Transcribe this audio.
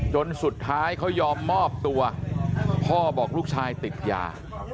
จนสุดท้ายเขายอมมอบตัวพ่อบอกลูกชายติดยา